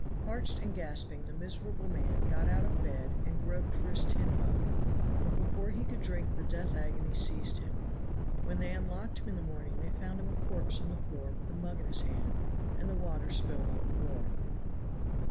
Parched and gasping the miserable man got out of bed and groped for his tin mug, but before he could drink the death agony seized him. When they unlocked him in the morning they found him a corpse on the floor with the mug in his hand and the water spilled on the floor.